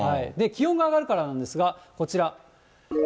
気温が上がるからなんですが、こちら。